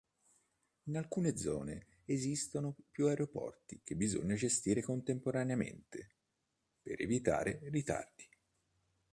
In alcune zone esistono più aeroporti che bisogna gestire contemporaneamente, per evitare ritardi.